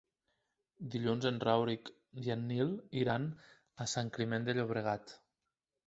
Dilluns en Rauric i en Nil iran a Sant Climent de Llobregat.